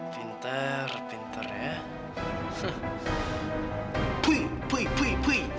pinter pinter ya